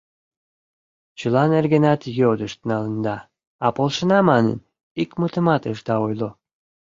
— Чыла нергенат йодышт налында, а полшена манын, ик мутымат ышда ойло.